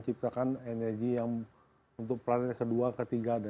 kita tidak bisa menciptakan energi yang untuk planet kedua ketiga